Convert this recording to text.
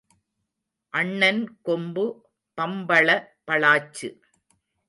அண்ணன் கொம்பு பம்பள பளாச்சு.